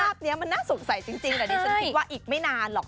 ภาพนี้มันน่าสงสัยจริงแต่ดิฉันคิดว่าอีกไม่นานหรอก